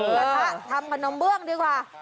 กระทะทำขนมเบื้องดีกว่า